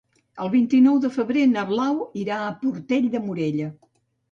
El vint-i-nou de febrer na Blau irà a Portell de Morella.